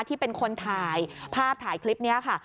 ที่เป็นคนถ่ายภาพถ่ายคลิปนี้ค่ะ